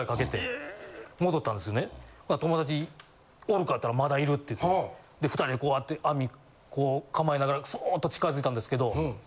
ほな友達「おるか？」って言ったら「まだいる」って言ったんで２人でこうやって網かまえながらそっと近づいたんですけど。